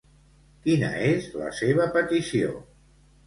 Quina és la seva petició?